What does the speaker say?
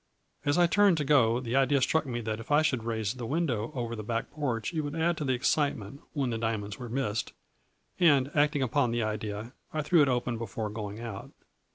As I turned to go the idea struck me that if I should raise the window over the back porch it would add to the excitement when the diamonds were missed, and, acting upon the idea, I threw it open be fore going out.